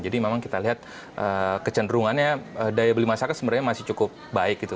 jadi memang kita lihat kecenderungannya daya beli masyarakat sebenarnya masih cukup baik gitu